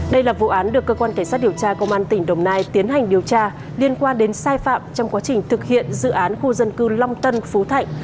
đây là vụ án được cơ quan cảnh sát điều tra công an tỉnh đồng nai tiến hành điều tra liên quan đến sai phạm trong quá trình thực hiện dự án khu dân cư long tân phú thạnh